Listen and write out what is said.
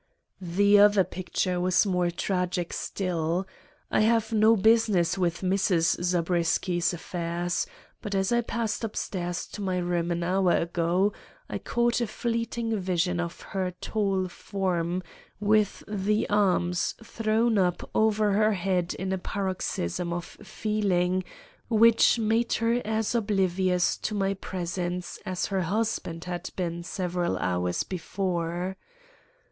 "The other picture was more tragic still. I have no business with Mrs. Zabriskie's affairs; but as I passed upstairs to my room an hour ago, I caught a fleeting vision of her tall form, with the arms thrown up over her head in a paroxysm of feeling which made her as oblivious to my presence as her husband had been several hours before.